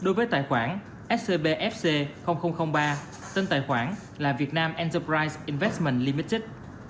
đối với tài khoản scbfc ba tên tài khoản là vietnam enterprise investment limited